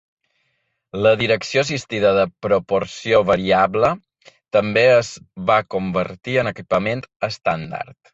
La direcció assistida de proporció variable també es va convertir en equipament estàndard.